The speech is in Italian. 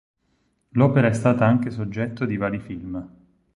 L'opera è stata anche soggetto di vari film.